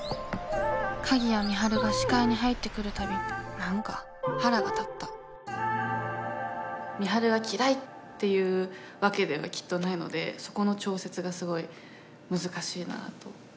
鍵谷美晴が視界に入ってくるたび何か腹が立った美晴が嫌いっていうわけではきっとないのでそこの調節がすごい難しいなと。